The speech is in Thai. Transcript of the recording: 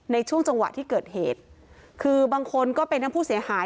ในช่วงจังหวะที่เกิดเหตุคือบางคนก็เป็นทั้งผู้เสียหาย